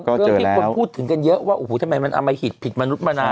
เรื่องที่คนพูดถึงกันเยอะว่าโอ้โหทำไมมันอมหิตผิดมนุษย์มานาน